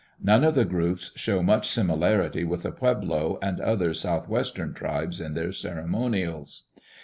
None of the groups show much similarity with the Pueblo and other southwestern tribes in their ceremonials.